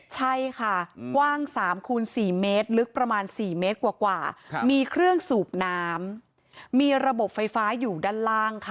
ใช่ค่ะกว้าง๓คูณ๔เมตรลึกประมาณ๔เมตรกว่ามีเครื่องสูบน้ำมีระบบไฟฟ้าอยู่ด้านล่างค่ะ